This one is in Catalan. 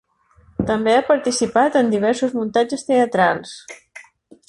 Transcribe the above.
També ha participat en diversos muntatges teatrals.